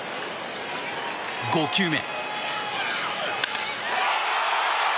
５球目。